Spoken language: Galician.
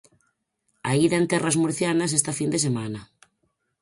A ida en terras murcianas, esta fin de semana.